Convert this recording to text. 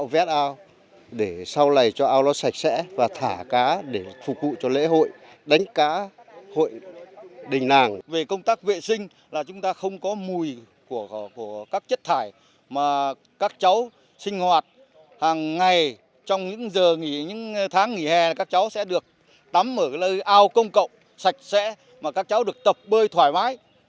về công tác vệ sinh là chúng ta không có mùi của các chất thải mà các cháu sinh hoạt hàng ngày trong những giờ nghỉ những tháng nghỉ hè các cháu sẽ được tắm ở lơi ao công cộng sạch sẽ mà các cháu được tập bơi thoải mái